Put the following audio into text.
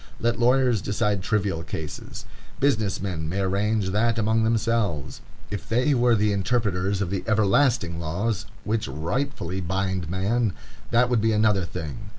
Let lawyers decide trivial cases. Business men may arrange that among themselves. If they were the interpreters of the everlasting laws which rightfully bind man, that would be another thing.